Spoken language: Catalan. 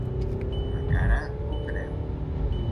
A cara o creu.